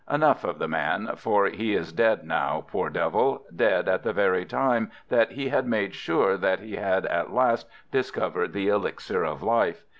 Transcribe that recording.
Enough of the man, for he is dead now, poor devil, dead at the very time that he had made sure that he had at last discovered the elixir of life.